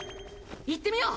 行ってみよう！